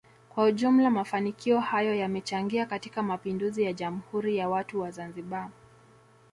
kwa ujumla mafanikio hayo yamechangia katika mapinduzi ya jamhuri ya watu wa Zanzibar